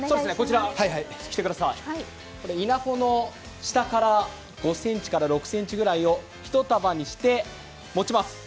稲穂の下から５ｃｍから６ｃｍぐらいを１束にして持ちます。